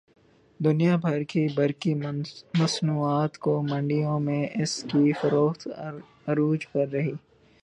دنیا بھر کی برقی مصنوعات کی منڈیوں میں اس کی فروخت عروج پر رہی